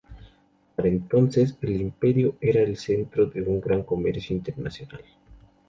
Para entonces el imperio era centro de un gran comercio internacional.